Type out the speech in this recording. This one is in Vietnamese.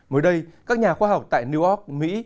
mới đây các nhà khoa học tại new york mỹ